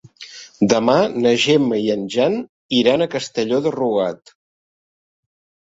Demà na Gemma i en Jan iran a Castelló de Rugat.